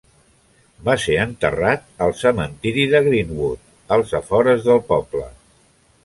Va ser enterrat al cementiri de Greenwood als afores del poble.